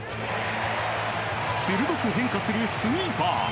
鋭く変化するスイーパー。